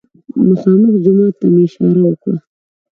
مخامخ جومات ته مې اشاره وکړه.